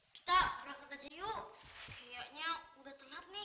kita berangkat aja yuk kayaknya udah tengah nih